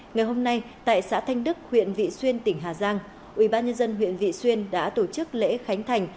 ngày hôm nay tại xã thanh đức huyện vị xuyên tỉnh hà giang ủy ban nhân dân huyện vị xuyên đã tổ chức lễ khánh thành